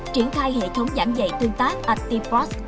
triển khai hệ thống giảng dạy tương tác actifrost